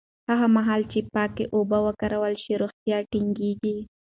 هغه مهال چې پاکې اوبه وکارول شي، روغتیا ټینګېږي.